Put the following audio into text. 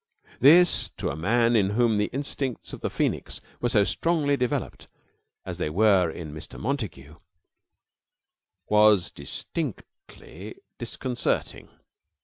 This, to a man in whom the instincts of the phoenix were so strongly developed as they were in Mr. Montague, was distinctly disconcerting.